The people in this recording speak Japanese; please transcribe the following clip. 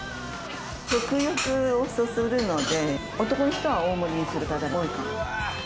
食欲をそそるので、男の人は大盛りにする方が多い。